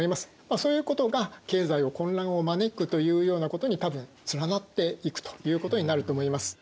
そういうことが経済の混乱を招くというようなことに多分つながっていくということになると思います。